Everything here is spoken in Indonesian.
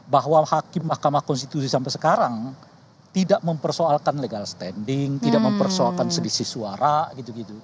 bahwa hakim mahkamah konstitusi sampai sekarang tidak mempersoalkan legal standing tidak mempersoalkan segisi suara gitu gitu